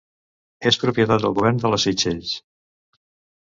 És propietat del govern de les Seychelles.